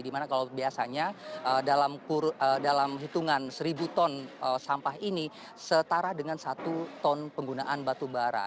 dimana kalau biasanya dalam hitungan seribu ton sampah ini setara dengan satu ton penggunaan batu bara